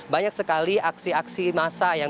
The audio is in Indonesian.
banyak sekali aksi aksi massa yang